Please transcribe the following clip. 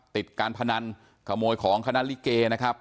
ติดการพนันขโมยของคณะลิเกนะครับ